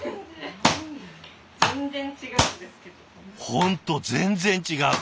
本当全然違う。